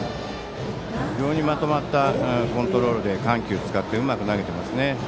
非常にまとまったコントロールで緩急を使ってうまく投げていますね。